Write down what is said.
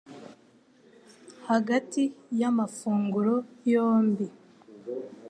hagati ya mafunguro yombi.